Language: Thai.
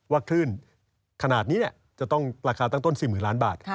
ว่าคลื่นขนาดนี้เนี่ยจะต้องราคาตั้งต้น๔๐๐๐๐๐๐๐บาท